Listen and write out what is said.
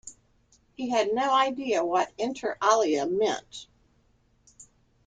He had no idea what inter alia meant.